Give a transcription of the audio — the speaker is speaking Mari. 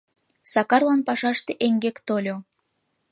Сакарлан пашаште эҥгек тольо.